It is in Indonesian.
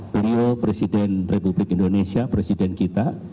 beliau presiden republik indonesia presiden kita